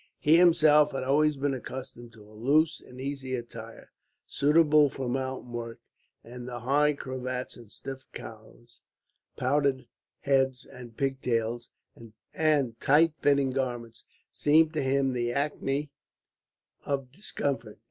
He himself had always been accustomed to a loose and easy attire, suitable for mountain work; and the high cravats and stiff collars, powdered heads and pigtails, and tight fitting garments, seemed to him the acme of discomfort.